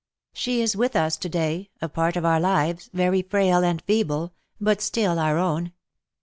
She is with us to day — a part of our lives — very frail and feeble, but still our own.